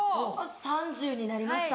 ３０になりました。